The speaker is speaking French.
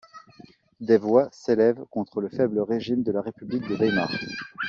Des voix s'élèvent contre le faible régime de la république de Weimar.